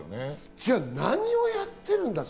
じゃあ何をやっているんだ。